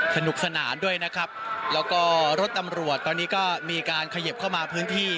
สนุกสนานด้วยนะครับแล้วก็รถตำรวจตอนนี้ก็มีการเขยิบเข้ามาพื้นที่